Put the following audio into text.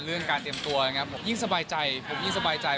เรื่องการเตรียมตัวนะครับผมยิ่งสบายใจผมยิ่งสบายใจ